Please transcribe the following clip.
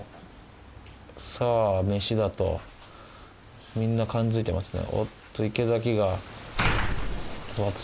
さぁ飯だ！とみんな感づいてますね。